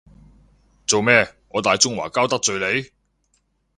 做咩，我大中華膠得罪你？